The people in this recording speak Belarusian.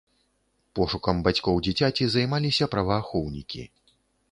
Пошукам бацькоў дзіцяці займаліся праваахоўнікі.